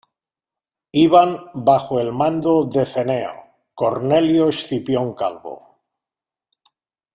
Iban bajo el mando de Cneo Cornelio Escipión Calvo.